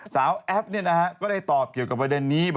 แอปก็ได้ตอบเกี่ยวกับประเด็นนี้